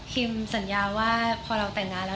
สัญญาว่าพอเราแต่งงานแล้ว